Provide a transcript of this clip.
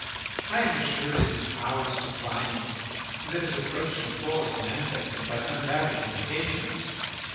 I am assured that his power is declining and that his approaching fall is manifested by undoubted indications.